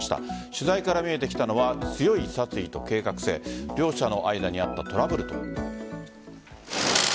取材から見えてきたのは強い殺意と計画性。両者の間にあったトラブルとは。